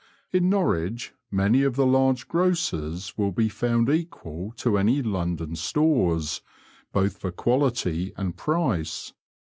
In Norwich, many of the large grocers will be found equal to any London stores, both for quaUty and price.